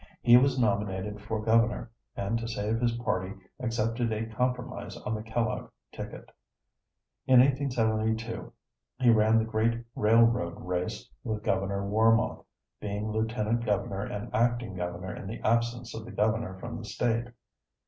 He was nominated for Governor, and to save his party accepted a compromise on the Kellogg ticket. In 1872 he ran the great railroad race with Governor Warmoth, being Lieutenant Governor and Acting Governor in the absence of the Governor from the State.